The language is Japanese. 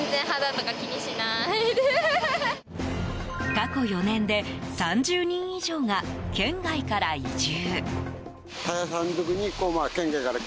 過去４年で３０人以上が県外から移住。